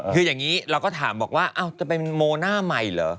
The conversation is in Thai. คืออย่างนี้เราก็ถามบอกว่าจะเป็นโมหน้าใหม่เหรอ